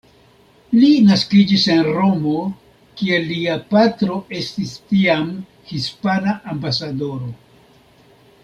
Li naskiĝis en Romo, kie lia patro estis tiam hispana ambasadoro.